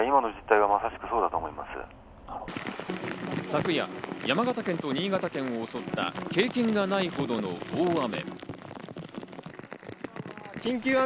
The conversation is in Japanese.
昨夜、山形県と新潟県を襲った経験がないほどの大雨。